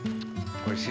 おいしい！